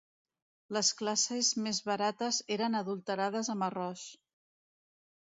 Les classes més barates eren adulterades amb arròs